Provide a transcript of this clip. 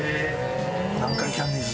「南海キャンディーズ